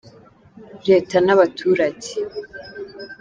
Leta n’abaturage.